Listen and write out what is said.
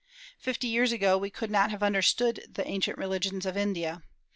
Fifty years ago we could not have understood the ancient religions of India.